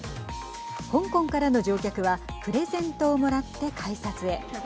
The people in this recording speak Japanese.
香港からの乗客はプレゼントをもらって改札へ。